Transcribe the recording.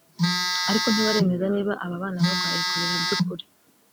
ariko ntibaremeza niba aba bana barwaye Cholera by’ukuri